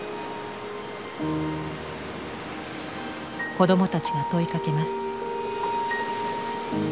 子どもたちが問いかけます。